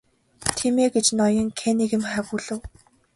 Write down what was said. Тийм ээ гэж ноён Каннингем өгүүлэв.